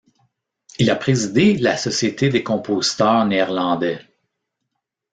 Il a présidé la Société des compositeurs néerlandais.